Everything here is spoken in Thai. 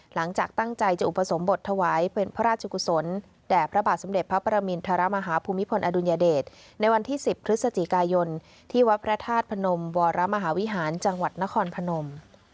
หลังจากตั้งใจจะอุปสมบทถวายเป็นพระราชกุศลแด่พระบาทสมเด็จพระประมินทรมาฮาภูมิพลอดุลยเดชในวันที่๑๐พฤศจิกายนที่วัดพระธาตุพนมวรมหาวิหารจังหวัดนครพนม